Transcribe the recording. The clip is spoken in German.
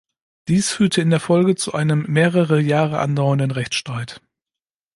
Dies führte in der Folge zu einem mehrere Jahre andauernden Rechtsstreit.